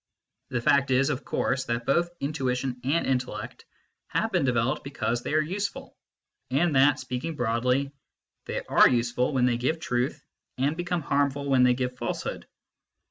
The fact is, of course, that both intuition and intellect have been developed because they are useful, and that, speaking broadly, they are use ful when they give truth and become harmful when they give falsehood.